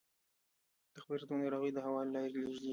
د خپرېدو ناروغۍ د هوا له لارې لېږدېږي.